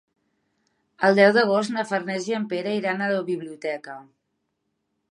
El deu d'agost na Farners i en Pere iran a la biblioteca.